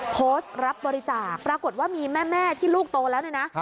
โพสต์รับบริจาคปรากฏว่ามีแม่ที่ลูกโตแล้วเนี่ยนะ